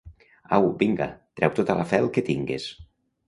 Au, vinga, trau tota la fel que tingues.